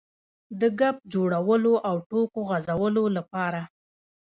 د ګپ جوړولو او ټوکو غځولو لپاره.